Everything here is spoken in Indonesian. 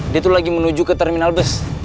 dia tuh lagi menuju ke terminal bus